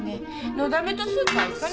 のだめとスーパー行かないから。